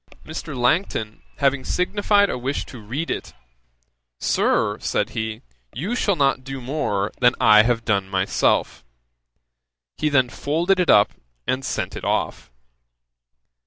Mr. Langton having signified a wish to read it, 'Sir, (said he) you shall not do more than I have done myself.' He then folded it up and sent it off.